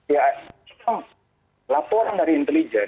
ya memang laporan dari intelijen